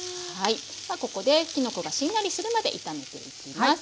ここできのこがしんなりするまで炒めていきます。